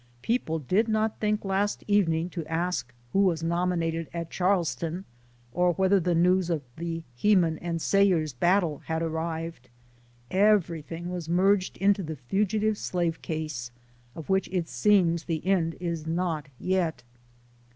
People did not think last evening to ask who was nominated at Charleston, or whether the news of the Heenan and Sayers bat tle had arrived everything was merged into the fugitive slave case, of which it seems the end is not O yet.